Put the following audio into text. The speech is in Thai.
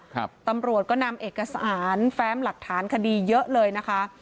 ตำรวจก็นำเอกสารแฟ้มหลักฐานคดีเยอะเลยนะคะ